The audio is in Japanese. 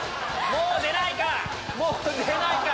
もう出ないか？